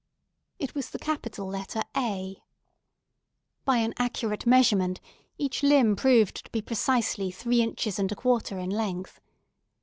It was the capital letter A. By an accurate measurement, each limb proved to be precisely three inches and a quarter in length.